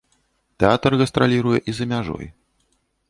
Тэатр гастраліруе і за мяжой.